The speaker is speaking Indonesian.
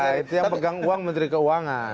ya itu yang pegang uang menteri keuangan